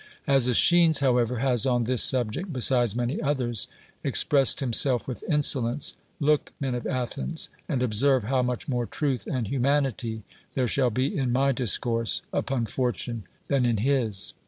As ^Eschines, however, has on this subject (besides many others) ex pressed himself with insolence, look, men of Ath ens, and observe how much more truth and hu manity there shall be in my discourse upon for tune than in his.